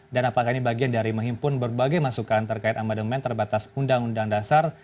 dan apakah ini bagian dari menghimpun berbagai masukan terkait amademen terbatas undang undang dasar seribu sembilan ratus empat puluh lima